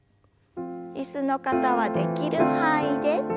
椅子の方はできる範囲で。